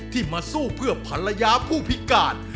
มาสู้เพื่อภรรยาผู้พิการ